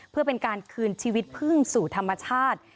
เพื่อเป็นการคืนชีวิตพึ่งสู่ธรรมชาติ